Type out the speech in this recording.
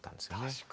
確かに。